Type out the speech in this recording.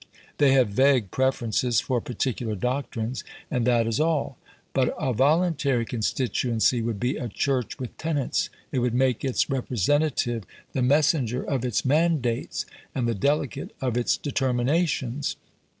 They have vague preferences for particular doctrines; and that is all. But a voluntary constituency would be a church with tenets; it would make its representative the messenger of its mandates, and the delegate of its determinations.